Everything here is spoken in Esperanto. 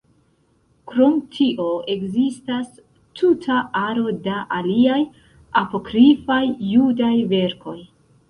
Krom tio ekzistas tuta aro da aliaj Apokrifaj Judaj verkoj.